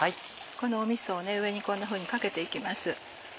このみそを上にこんなふうにかけて行きます。